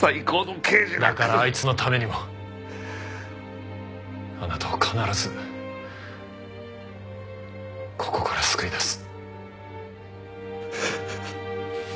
だからあいつのためにもあなたを必ずここから救い出す。